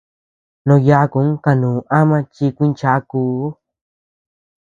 Noo yakun kanuu ama chikuincháakuu.